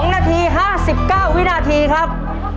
๒นาที๕๙วินาทีครับ